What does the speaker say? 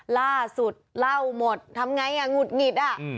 ล่าสุดเล่าหมดทำไงอ่ะหงุดหงิดอ่ะ